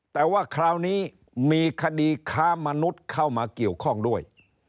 แต่ว่าคราวนี้มีคดีค้ามนุษย์เข้ามาเกี่ยวข้องด้วย